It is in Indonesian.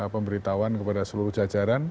pemberitahuan kepada seluruh jajaran